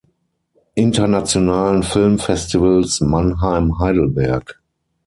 Internationalen Filmfestivals Mannheim-Heidelberg.